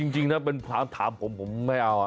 จริงถ้าเป็นถามผมผมไม่เอา